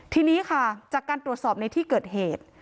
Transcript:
ทีนี้ค่ะจากการตรวจสอบในที่เกิดเหตุ